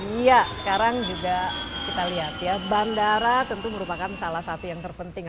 iya sekarang juga kita lihat ya bandara tentu merupakan salah satu yang terpenting